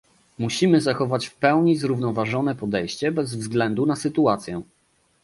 Musimy zachować w pełni zrównoważone podejście bez względu na sytuację